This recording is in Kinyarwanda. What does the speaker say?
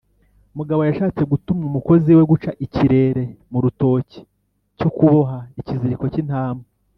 mugabo yashatse gutuma umukozi we guca ikirere mu rutoki cyo kuboha ikiziriko k’intama.